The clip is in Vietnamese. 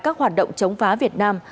các hoạt động chống phá việt nam